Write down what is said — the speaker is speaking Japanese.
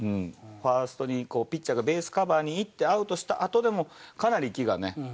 ファーストにピッチャーがベースカバーに行って、アウトにしたあとでも、かなり息がね。